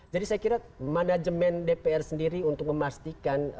jadi saya kira manajemen dpr sendiri untuk memastikan